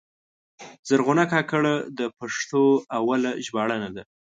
زرغونه کاکړه د پښتو اوله ژباړنه ده.